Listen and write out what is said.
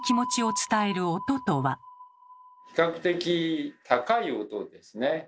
比較的「高い音」ですね。